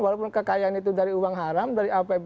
walaupun kekayaan itu dari uang haram dari apbn